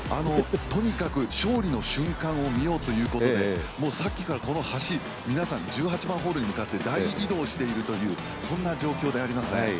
とにかく勝利の瞬間を見ようということでさっきからこの橋皆さん１８番ホールに向かって大移動しているというそんな状況であります。